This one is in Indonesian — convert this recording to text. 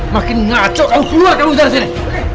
makin ngaco kamu keluar dari sini